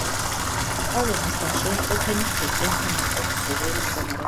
პავლემ მისგან შეიტყო თემის ქრისტიანთა მერყევი სულიერი მდგომარეობის შესახებ.